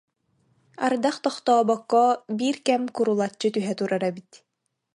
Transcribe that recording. Ардах тохтообокко биир кэм курулаччы түһэ турар эбит